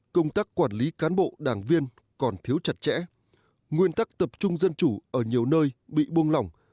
công tác quản lý cán bộ đảng viên còn thiếu chặt chẽ nguyên tắc tập trung dân chủ ở nhiều nơi bị buông lỏng